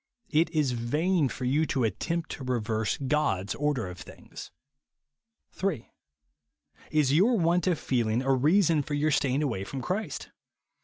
It is vain for you to attempt to reverse God's order of things. 3. Is your luant of feeling a reason for your staying aiuay from Christ